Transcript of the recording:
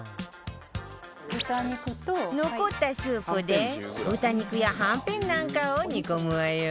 残ったスープで豚肉やはんぺんなんかを煮込むわよ